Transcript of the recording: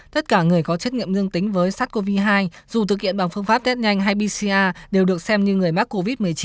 tất cả người có trách nhiệm dương tính với sars cov hai dù thực hiện bằng phương pháp test nhanh hay bcr đều được xem như người mắc covid một mươi chín